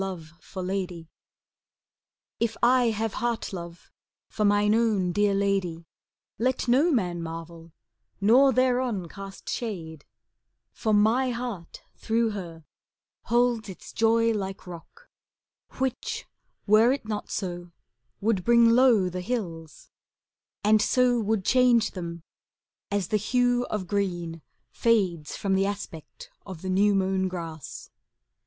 IIO CANZONIERE If I have heart love for mine own dear lady, Let no man marvel, nor thereon cast shade; For my heart, through her, holds its joy like rock, Which, were it not so, would bring low the hills, And so would change them as the hue of green Fades from the aspect of the new mown grass.